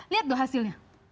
lihat tuh hasilnya